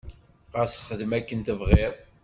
Ɣas xdem akken tebɣiḍ.